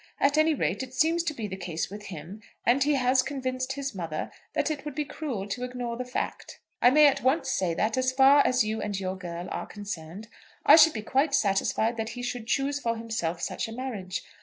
At any rate it seems to be the case with him, and he has convinced his mother that it would be cruel to ignore the fact. "I may at once say that, as far as you and your girl are concerned, I should be quite satisfied that he should choose for himself such a marriage.